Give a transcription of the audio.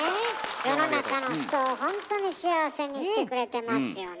世の中の人をほんとに幸せにしてくれてますよね。